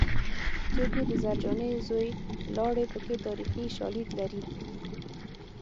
څوک یې د زرجانې زوی لاړې پکې تاریخي شالید لري